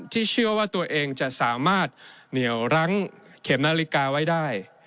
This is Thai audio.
เชื่อว่าตัวเองจะสามารถเหนียวรั้งเข็มนาฬิกาไว้ได้